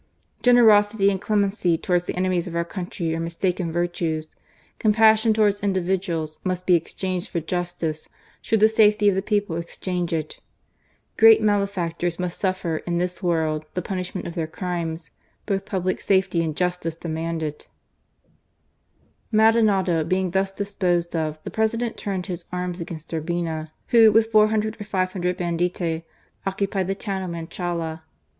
Generosity and clemency towards the enemies of our country are mistaken virtues. Compassion towards individuals must be exchanged for justice should the safety of the people exact it. Great 152 GARCIA MORENO. malefactors must suffer in this world the punish ment of their crimes : both public safety and justice demand it." Maldonado being thus disposed of, the President turned his arms against Urbina, who, with four hundred or five hundred banditti, occupied the town of Machala.